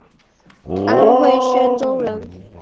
安徽宣州人。